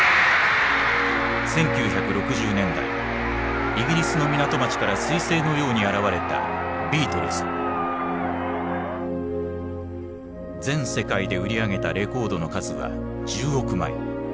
１９６０年代イギリスの港町からすい星のように現れた全世界で売り上げたレコードの数は１０億枚。